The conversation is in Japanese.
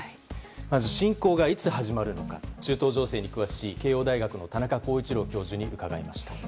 まず侵攻がいつ始まるのか中東情勢に詳しい慶應大学の田中浩一郎教授に伺いました。